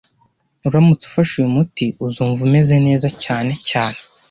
Uramutse ufashe uyu muti, uzumva umeze neza cyane cyane